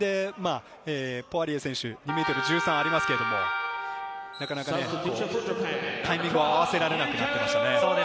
そのへんでポワリエ選手、２ｍ１３ｃｍありますけれども、タイミングを合わせられなくなっていましたね。